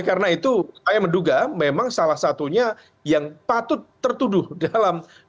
nah karena itu saya menduga memang salah satunya yang patut tertuduh dalam konteks studi